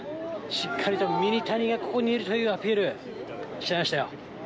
しっかりとミニタニがここにいるというアピール、しちゃいましたよ。